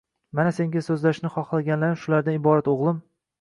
Mana, senga so'zlashni xohlaganlarim shulardan iborat, o'g'lim.